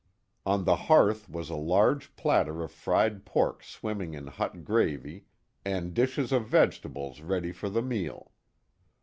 On the hearth was a large platter of fried pork swimming in hot gravy, and dishes of vegetables ready for the meal.